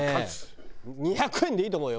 ２００円でいいと思うよ